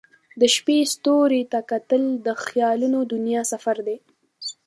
د شپې ستوریو ته کتل د خیالونو دنیا ته سفر دی.